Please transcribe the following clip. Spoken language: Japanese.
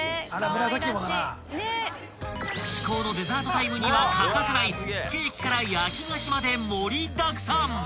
［至高のデザートタイムには欠かせないケーキから焼き菓子まで盛りだくさん］